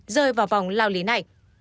rơi vào vòng lao lý này